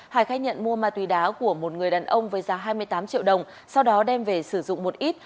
hải khai nhận mua ma túy đá của một người đàn ông với giá hai mươi tám triệu đồng sau đó đem về sử dụng một ít